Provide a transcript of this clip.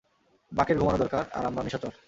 বাকের ঘুমানো দরকার আর আমরা নিশাচর।